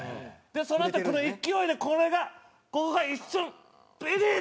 そのあとこの勢いでこれがここが一瞬ビリッとはいアウト！